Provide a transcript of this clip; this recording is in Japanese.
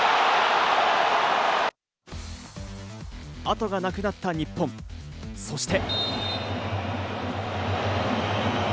後がなくなった日本、そして。